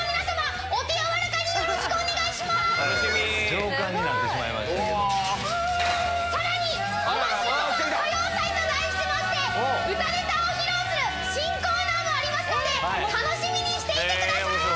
さらにおもしろ荘歌謡祭と題しまして歌ネタを披露する新コーナーがありますので楽しみにしていてください。